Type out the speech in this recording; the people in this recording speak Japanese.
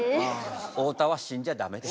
太田は死んじゃダメです。